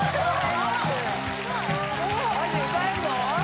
マジ歌えんの？